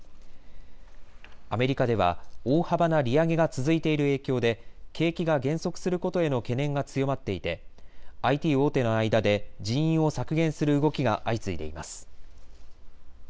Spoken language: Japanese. アメリカでは大幅な利上げが続いている影響で景気が減速することへの懸念が強まっていてＩＴ大手の間で人員を削減する動きが相次いでいます。